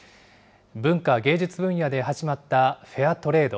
文化・芸術分野で始まったフェアトレード。